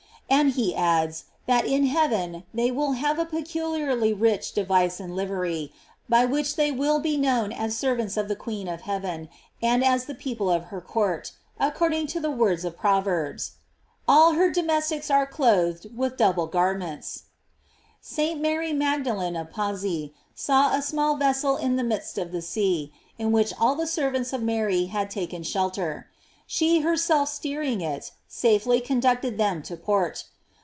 And he adds, that in heaven they will have a peculiar ly rich device and livery, by which they will be known as servants of the queen of heaven and as the people of her court, according to those words of Proverbs: "All her domestics are clothed with double garments." § St. Mary Magdalen of Pazzi saw a small vessel in the midst of the sea, in which all the servants of Mary had taken shelter; she herself steering it, safely conducted them to port.